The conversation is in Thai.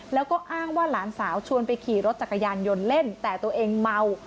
แล้วก็อ้างว่าหลานสาวชวนไปขี่รถจักรยานยนต์เล่นแต่ตัวเองเมา